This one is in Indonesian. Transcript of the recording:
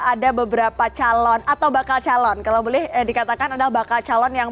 ada beberapa calon atau bakal calon kalau boleh dikatakan adalah bakal calon yang